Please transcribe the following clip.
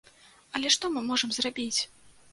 Але што мы можам зрабіць?